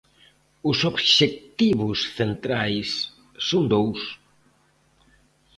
Os obxectivos centrais son dous.